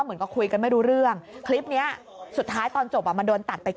หยุด